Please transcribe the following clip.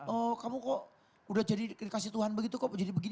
oh kamu kok udah jadi kasih tuhan begitu kok jadi begini